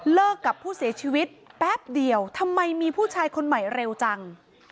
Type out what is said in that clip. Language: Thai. กับผู้เสียชีวิตแป๊บเดียวทำไมมีผู้ชายคนใหม่เร็วจัง